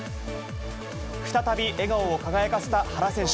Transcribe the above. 再び笑顔を輝かせた原選手。